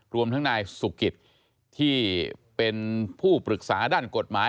รวมทั้งนายสุกิตที่เป็นผู้ปรึกษาด้านกฎหมาย